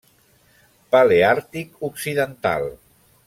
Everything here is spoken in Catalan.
Paleàrtic occidental.